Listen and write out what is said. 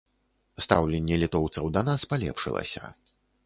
Стаўленне літоўцаў да нас палепшылася.